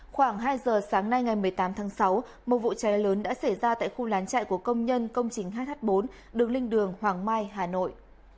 khoảng hai giờ sáng nay ngày một mươi tám tháng sáu một vụ cháy lớn đã xảy ra tại khu lán chạy của công nhân công trình hh bốn đường linh đường hoàng mai hà nội